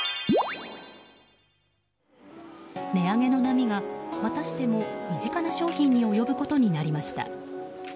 値上げの波がまたしても身近な商品に及ぶことになりました。